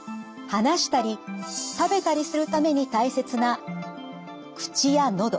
話したり食べたりするために大切な口や喉。